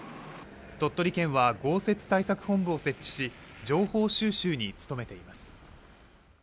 鳥取県は豪雪対策本部を設置し情報収集に努めています